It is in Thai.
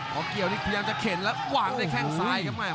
เพราะเกี่ยวนี้พยายามจะเข็นแล้ววางในแข้งซ้ายครับไง